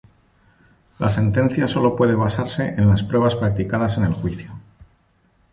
La sentencia sólo puede basarse en las pruebas practicadas en el juicio.